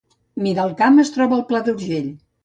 Miralcamp es troba al Pla d’Urgell